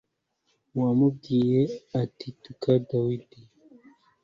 wamubwiye ati “tuka dawidi